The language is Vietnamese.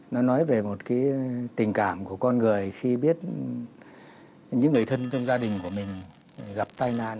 nó nói về một cái tình cảm của con người khi biết những người thân trong gia đình của mình gặp tai nạn